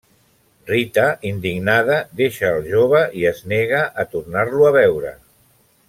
Rita, indignada, deixa el jove i es nega a tornar-lo a veure.